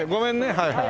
はいはい。